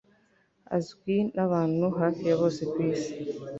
azwi nabantu hafi ya bose kwisi